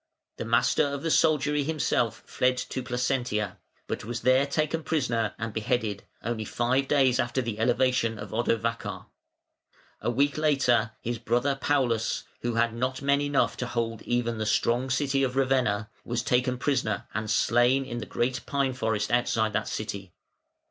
The Master of the Soldiery himself fled to Placentia, but was there taken prisoner and beheaded, only five days after the elevation of Odovacar. A week later his brother Paulus, who had not men enough to hold even the strong city of Ravenna, was taken prisoner, and slain in the great pine forest outside that city.